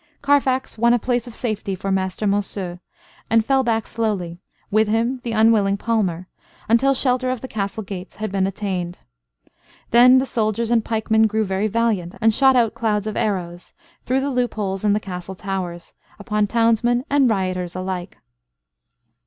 Carfax won a place of safety for Master Monceux, and fell back slowly, with him the unwilling palmer, until shelter of the castle gates had been attained. Then the soldiers and pikemen grew very valiant, and shot out clouds of arrows, through the loopholes in the castle towers, upon townsmen and rioters alike.